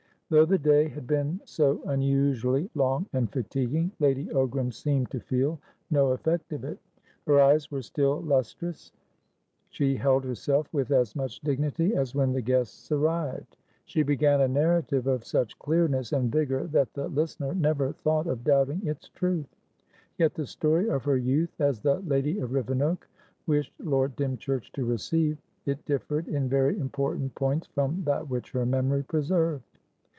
Though the day had been so unusually long and fatiguing, Lady Ogram seemed to feel no effect of it; her eyes were still lustrous she held herself with as much dignity as when the guests arrived. She began a narrative of such clearness and vigour that the listener never thought of doubting its truth; yet the story of her youth as the lady of Rivenoak wished Lord Dymchurch to receive it differed in very important points from that which her memory preserved.